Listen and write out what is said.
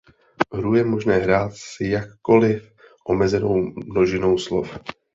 Hru je možné hrát s jakkoliv omezenou množinou slov.